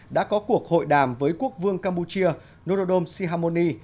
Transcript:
đã có cuộc hội đàm với quốc vương campuchia norodom sihamoni